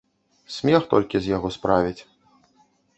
Смех толькі з яго справяць.